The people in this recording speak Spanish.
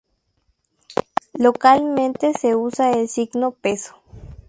Localmente se usa el signo peso.